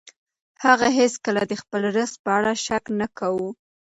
هغه هیڅکله د خپل رزق په اړه شک نه کاوه.